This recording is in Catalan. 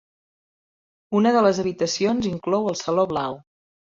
Una de les habitacions inclou el Saló Blau.